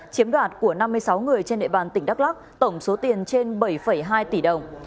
chiếm đoạt của năm mươi sáu người trên địa bàn tỉnh đắk lắc tổng số tiền trên bảy hai tỷ đồng